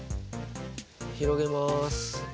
広げます。